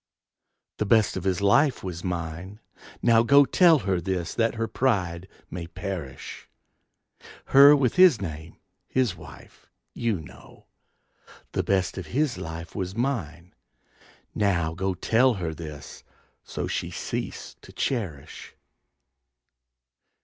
The best of his life was mine. Now go, Tell her this that her pride may perish, Her with his name, his wife, you know! The best of his life was mine. Now go, Tell her this so she cease to cherish.